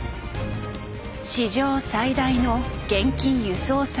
史上最大の現金輸送作戦。